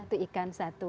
itu ikan satu